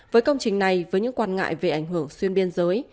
với công trình này với những quan ngại về ảnh hưởng xuyên biên giới